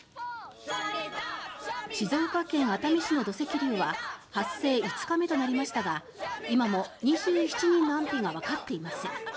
静岡県熱海市の土石流は発生５日目となりましたが今も２７人の安否がわかっていません。